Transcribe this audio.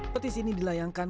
petisi ini dilayangkan